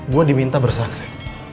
gue diminta bersaksi